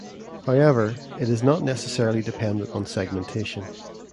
However, it is not necessarily dependent on segmentation.